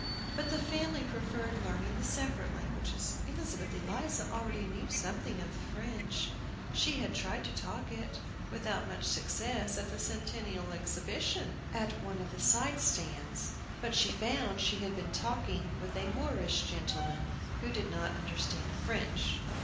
But the family preferred learning the separate languages. Elizabeth Eliza already knew something of the French. She had tried to talk it, without much success, at the Centennial Exhibition, at one of the side stands. But she found she had been talking with a Moorish gentleman who did not understand French.